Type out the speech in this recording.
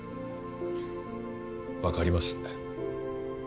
わかります。